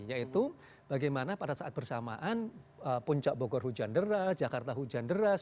yaitu bagaimana pada saat bersamaan puncak bogor hujan deras jakarta hujan deras